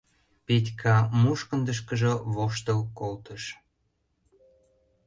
— Петька мушкындышкыжо воштыл колтыш.